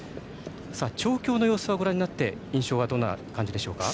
調教の様子をご覧になって印象はどうでしょうか？